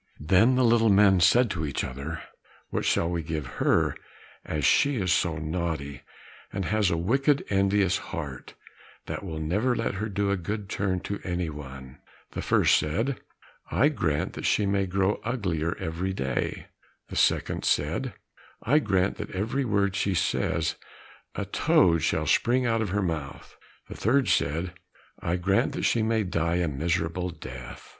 Then the little men said to each other, "What shall we give her as she is so naughty, and has a wicked envious heart, that will never let her do a good turn to any one?" The first said, "I grant that she may grow uglier every day." The second said, "I grant that at every word she says, a toad shall spring out of her mouth." The third said, "I grant that she may die a miserable death."